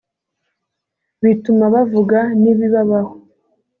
bituma bavuga n ibibabaho